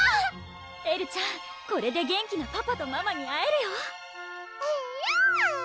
エルちゃんこれで元気なパパとママに会えるよえるぅ！